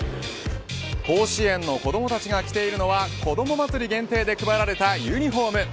甲子園の子どもたちが着ているのは子ども祭り限定で配られたユニホーム。